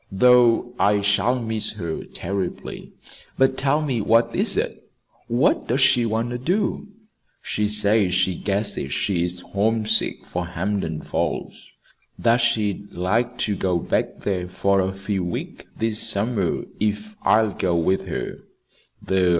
Though I shall miss her terribly. But, tell me, what is it what does she want to do?" "She says she guesses she is homesick for Hampden Falls; that she'd like to go back there for a few weeks this summer if I'll go with her.